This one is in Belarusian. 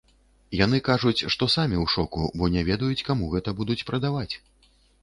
Яны кажуць, што самі ў шоку, бо не ведаюць каму гэта будуць прадаваць.